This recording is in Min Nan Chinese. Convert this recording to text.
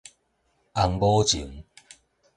尪某情